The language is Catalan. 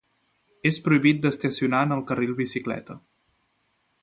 És prohibit d'estacionar en el carril bicicleta.